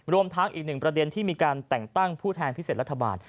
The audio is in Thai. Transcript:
รวมทั้งอีกหนึ่งประเด็นที่มีการแต่งตั้งผู้แทนพิเศษรัฐบาล